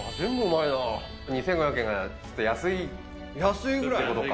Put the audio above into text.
２５００円がちょっと安いってことか。